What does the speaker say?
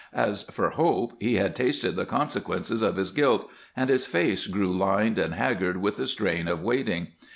As for Hope, he had tasted the consequences of his guilt, and his face grew lined and haggard with the strain of waiting.